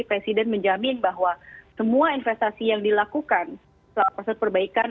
presiden menjamin bahwa semua investasi yang dilakukan selama proses perbaikan